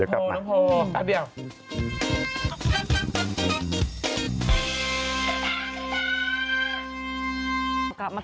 ครับจะ